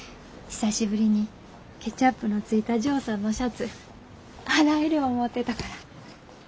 久しぶりにケチャップのついたジョーさんのシャツ洗える思うてたから。